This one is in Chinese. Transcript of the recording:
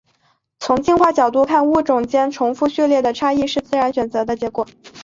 从进化角度看物种间重复序列的差异是自然选择的结果。